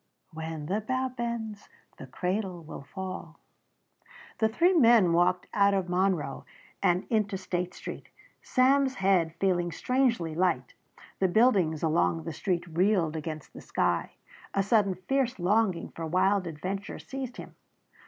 "When the bough bends the cradle will fall." The three men walked out of Monroe and into State Street, Sam's head feeling strangely light. The buildings along the street reeled against the sky. A sudden fierce longing for wild adventure seized him.